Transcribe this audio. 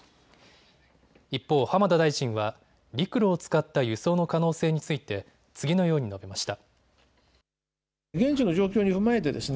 一方、浜田大臣は陸路を使った輸送の可能性について次のように述べました。